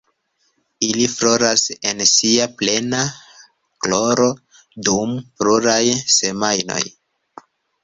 Ili floras en sia plena gloro dum pluraj semajnoj.